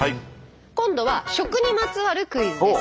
今度は食にまつわるクイズです。